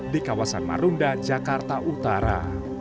di kawasan marunda jakarta utara